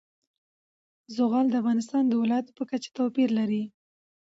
زغال د افغانستان د ولایاتو په کچه توپیر لري.